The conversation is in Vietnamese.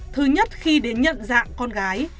thứ nhất khi đến nhận dạng con gái